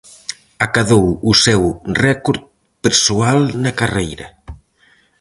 Acadou o seu récord persoal na carreira.